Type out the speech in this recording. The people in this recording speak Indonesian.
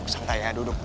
santai ya duduk